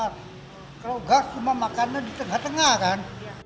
kalau gas cuma makannya di tengah tengah kan